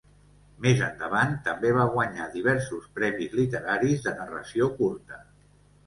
Més endavant, també va guanyar diversos premis literaris de narració curta.